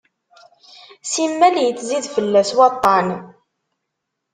Simmal yettzid fell-as waṭṭan.